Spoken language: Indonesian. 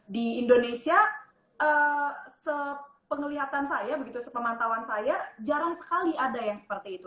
di indonesia sepengelihatan saya begitu sepemantauan saya jarang sekali ada yang seperti itu